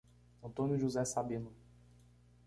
Antônio José Sabino